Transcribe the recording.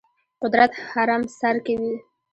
قدرت هرم سر کې وي.